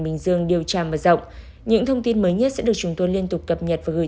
bình dương điều tra mở rộng những thông tin mới nhất sẽ được chúng tôi liên tục cập nhật và gửi